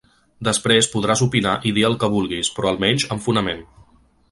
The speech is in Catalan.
Després podràs opinar i dir el que vulguis, però almenys amb fonament.